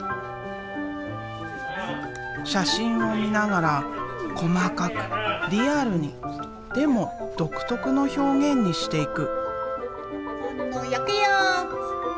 写真を見ながら細かくリアルにでも独特の表現にしていく。